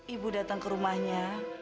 ibu datang ke rumahnya